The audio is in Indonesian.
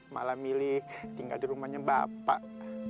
malah milih tinggal di rumahnya bapak